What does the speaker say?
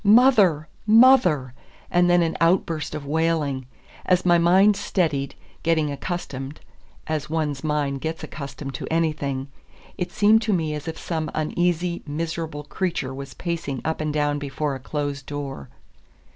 "Mother! mother!" and then an outburst of wailing. As my mind steadied, getting accustomed (as one's mind gets accustomed to anything), it seemed to me as if some uneasy, miserable creature was pacing up and down before a closed door.